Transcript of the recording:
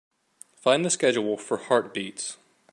Find the schedule for Heart Beats.